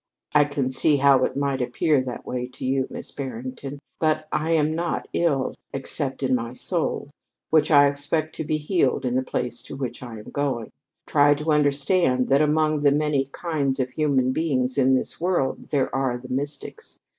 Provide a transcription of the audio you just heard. "I can see how it might appear that way to you, Miss Barrington. But I am not ill, except in my soul, which I expect to be healed in the place to which I am going. Try to understand that among the many kinds of human beings in this world there are the mystics.